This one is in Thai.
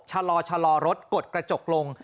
ชะลอรถกดกระจกลง